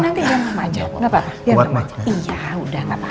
nanti jangan mama aja gak apa apa